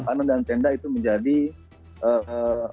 kondisi sekarang yang tadi saya sampaikan di awal itu ya